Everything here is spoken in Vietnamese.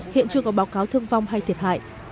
hiện chưa có báo cáo thương vong hay thiệt hại